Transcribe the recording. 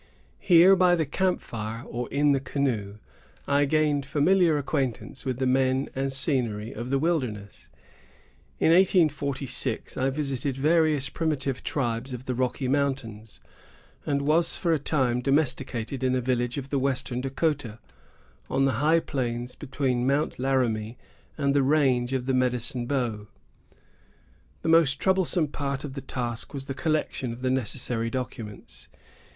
Here, by the camp fire, or in the canoe, I gained familiar acquaintance with the men and scenery of the wilderness. In 1846, I visited various primitive tribes of the Rocky Mountains, and was, for a time, domesticated in a village of the western Dahcotah, on the high plains between Mount Laramie and the range of the Medicine Bow. The most troublesome part of the task was the collection of the necessary documents.